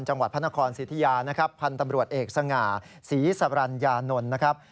จังหวัดพนครสิทยาพันธบรวจเอกสง่าศรีสรรญานนนะครับ